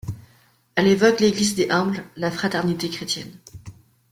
Elle évoque l'Église des humbles, la fraternité chrétienne.